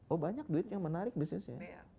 oh banyak duit yang menarik bisnisnya